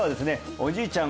おじいちゃん